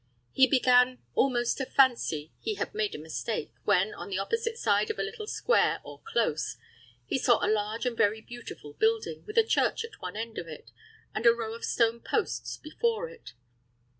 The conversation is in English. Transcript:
He began almost to fancy he had made a mistake, when, on the opposite side of a little square or close, he saw a large and very beautiful building, with a church at one end of it, and a row of stone posts before it.